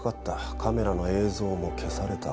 カメラの映像も消された。